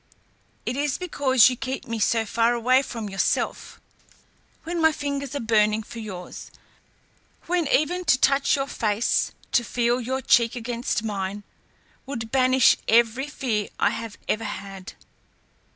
It is because you keep me so far away from yourself, when my fingers are burning for yours, when even to touch your face, to feel your cheek against mine, would banish every fear I have ever had.